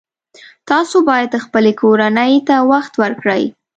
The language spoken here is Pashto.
تاسو باید خپلې کورنۍ ته وخت ورکړئ